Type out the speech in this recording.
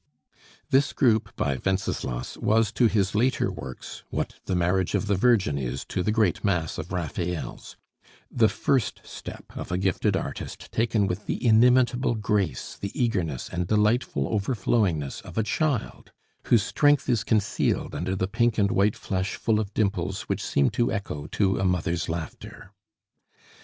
This group by Wenceslas was to his later works what the Marriage of the Virgin is to the great mass of Raphael's, the first step of a gifted artist taken with the inimitable grace, the eagerness, and delightful overflowingness of a child, whose strength is concealed under the pink and white flesh full of dimples which seem to echo to a mother's laughter.